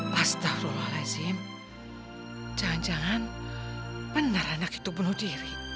kamu tanya dimana kamar mayatnya